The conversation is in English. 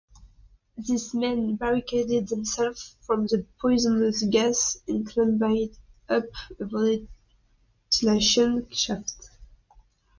These men barricaded themselves from the poisonous gas and climbed up a ventilation shaft.